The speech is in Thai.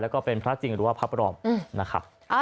แล้วก็เป็นพระจริงหรือว่าพระปลอมนะครับ